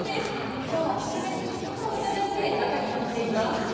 きょうは特別に許可を頂いて、中に乗っています。